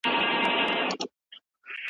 د يتيم حق خوړل د جهنم اور دی.